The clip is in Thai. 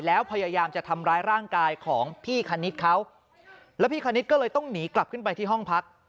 แล้วพยายามจะทำร้ายร่างกายของพี่คณิตเขาแล้วพี่คณิตก็เลยต้องหนีกลับขึ้นไปที่ห้องพัก